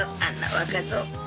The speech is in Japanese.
若造。